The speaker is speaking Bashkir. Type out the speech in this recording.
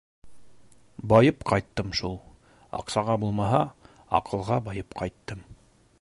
— Байып ҡайттым шул, аҡсаға булмаһа, аҡылға байып ҡайттым.